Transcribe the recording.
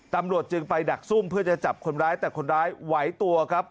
ตำรวจจึงไปดักซุ่มเพื่อจะจับคนร้ายแต่คนร้ายไหวตัวครับ